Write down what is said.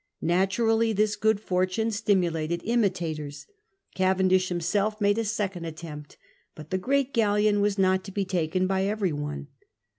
Naturally this good fortune stimulated imitators. Cavendish himself made a second attempt^ but the great galleon was not to be taken by every one.